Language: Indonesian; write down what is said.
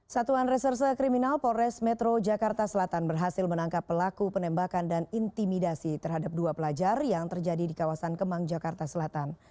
satuan reserse kriminal polres metro jakarta selatan berhasil menangkap pelaku penembakan dan intimidasi terhadap dua pelajar yang terjadi di kawasan kemang jakarta selatan